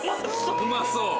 うまそう。